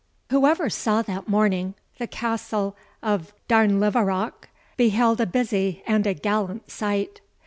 Whoever saw that morning, the Castle of Darnlinvarach, beheld a busy and a gallant sight.